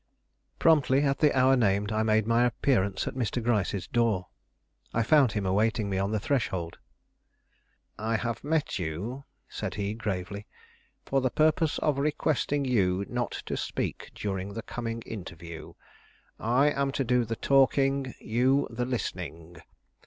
Promptly at the hour named, I made my appearance at Mr. Gryce's door. I found him awaiting me on the threshold. "I have met you," said he gravely, "for the purpose of requesting you not to speak during the coming interview. I am to do the talking; you the listening.